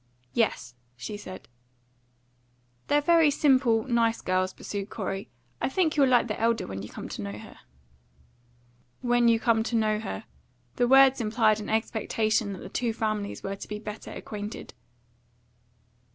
"Yes," she said. "They're very simple, nice girls," pursued Corey. "I think you'll like the elder, when you come to know her." When you come to know her. The words implied an expectation that the two families were to be better acquainted.